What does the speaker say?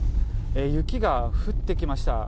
雪が降ってきました。